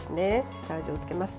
下味をつけます。